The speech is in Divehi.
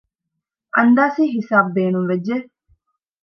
އަންދާސީ ހިސަބު ބޭނުންވެއްޖެ